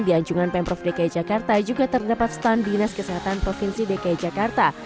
di anjungan pemprov dki jakarta juga terdapat stand dinas kesehatan provinsi dki jakarta